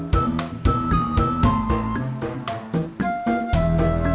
sayang hari ini kita dapat tiga